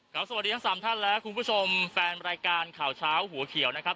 สวัสดีทั้งสามท่านและคุณผู้ชมแฟนรายการข่าวเช้าหัวเขียวนะครับ